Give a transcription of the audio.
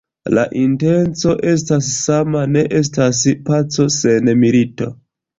La intenco estas sama: ne estas paco sen milito.